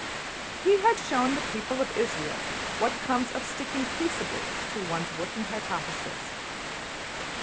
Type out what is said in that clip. He had shown the people of Israël what comes of sticking peaceably to one's working hypothesis.